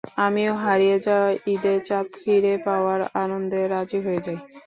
আমিও হারিয়ে যাওয়া ঈদের চাঁদ ফিরে পাওয়ার আনন্দে রাজি হয়ে যাই।